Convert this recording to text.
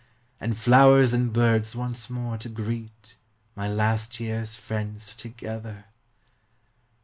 And birds and flowers once more to greet, My last year's friends together.